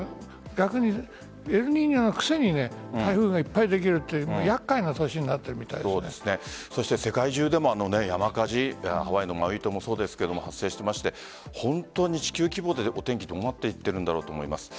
エルニーニョのくせに台風がいっぱいできるという世界中でも山火事ハワイのマウイ島もそうですが発生していて地球規模で、お天気どうなっていってるんだろうと思います。